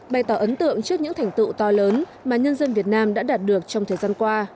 bày tỏ ấn tượng trước những thành tựu to lớn mà nhân dân việt nam đã đạt được trong thời gian qua